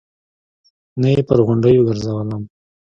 نه يې پر غونډيو ګرځولم.